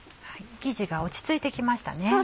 生地が落ち着いて来ましたね。